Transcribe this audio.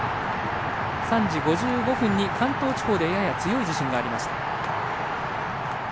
３時５５分ごろに関東地方でやや強い地震がありました。